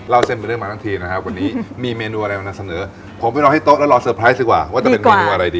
เส้นเป็นเรื่องมาทั้งทีนะครับวันนี้มีเมนูอะไรมานำเสนอผมไปรอให้โต๊ะแล้วรอเตอร์ไพรส์ดีกว่าว่าจะเป็นเมนูอะไรดี